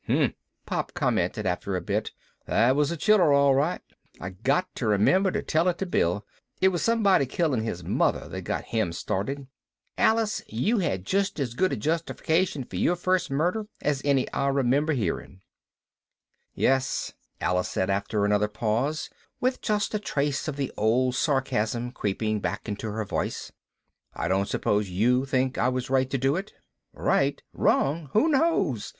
"Hum," Pop commented after a bit, "that was a chiller, all right. I got to remember to tell it to Bill it was somebody killing his mother that got him started. Alice, you had about as good a justification for your first murder as any I remember hearing." "Yet," Alice said after another pause, with just a trace of the old sarcasm creeping back into her voice, "I don't suppose you think I was right to do it?" "Right? Wrong? Who knows?"